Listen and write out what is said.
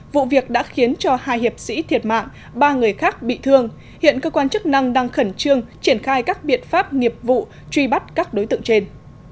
vụ việc đã khiến cho hai hiệp sĩ thiệt mạng ba người khác bị thương hiện cơ quan chức năng đang khẩn trương triển khai các biện pháp nghiệp vụ truy bắt các đối tượng trên